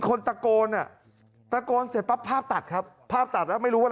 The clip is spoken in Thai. คนตะโกนอ่ะตะโกนเสร็จปั๊บภาพตัดครับภาพตัดแล้วไม่รู้ว่า